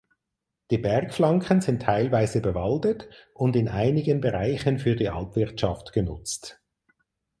Die Bergflanken sind teilweise bewaldet und in einigen Bereichen für die Alpwirtschaft genutzt.